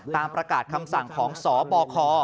ตามประกาศคำสั่งของสบค